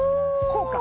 こうか。